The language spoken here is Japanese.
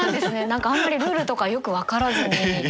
何かあんまりルールとかよく分からずに。